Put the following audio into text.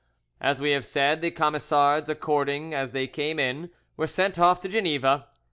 As we have said, the Camisards, according as they came in, were sent off to Geneva.